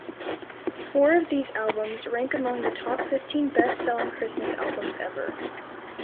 Four of these albums rank among the top fifteen best-selling Christmas albums ever.